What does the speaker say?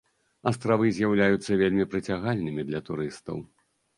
Астравы з'яўляюцца вельмі прыцягальнымі для турыстаў.